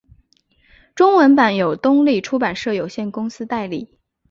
中文版由东立出版社有限公司代理。